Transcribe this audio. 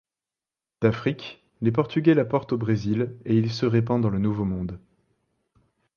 D'Afrique, les Portugais l'apportent au Brésil et il se répand dans le Nouveau Monde.